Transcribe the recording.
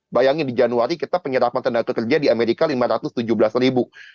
bayangin di januari kita penyerapan tenaga kerja di amerika lima ratus tujuh belas ribu